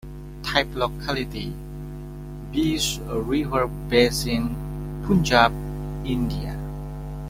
Type locality: "Beas River basin, Punjab, India".